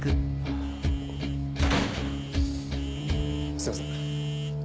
すいません。